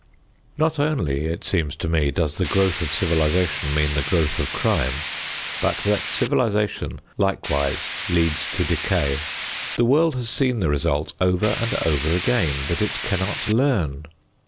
Not only, it seems to me, does the growth of civilization mean the growth of crime, but that civilization likewise leads to decay. The world has seen the result over and over again, but it cannot learn.